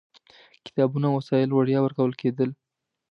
کتابونه او وسایل وړیا ورکول کېدل.